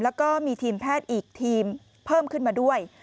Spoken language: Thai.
แล้วก็มีทีมแพทย์อีกทีมเพิ่มขึ้นมาด้วย